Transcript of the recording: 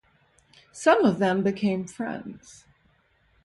Some of them became friends.